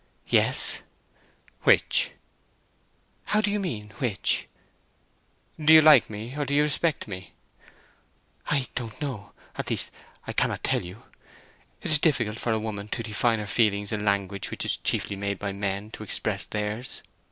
"Yes." "Which?" "How do you mean which?" "Do you like me, or do you respect me?" "I don't know—at least, I cannot tell you. It is difficult for a woman to define her feelings in language which is chiefly made by men to express theirs.